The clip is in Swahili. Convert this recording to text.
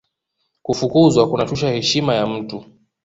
kufukuzwa kunashusha heshima ya mtu